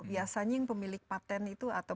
biasanya yang pemilik patent itu atau